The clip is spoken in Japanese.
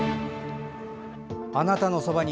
「あなたのそばに」